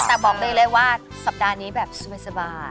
แต่บอกดีเลยว่าสัปดาห์นี้แบบสบาย